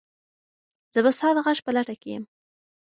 زه به ستا د غږ په لټه کې یم.